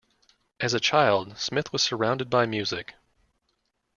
As a child, Smith was surrounded by music.